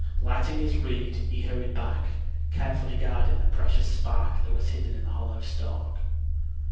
Lighting his reed, he hurried back, carefully guarding the precious spark that was hidden in the hollow stalk.